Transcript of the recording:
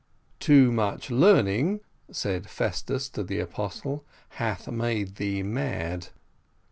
"Too much learning," said Festus to the apostle, "hath made thee mad."